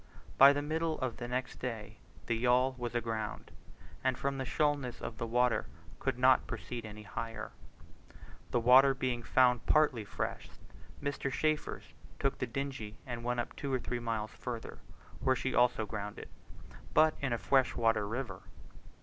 By the middle of the next day the yawl was aground, and from the shoalness of the water could not proceed any higher. The water being found partly fresh, Mr. Chaffers took the dingey and went up two or three miles further, where she also grounded, but in a fresh water river.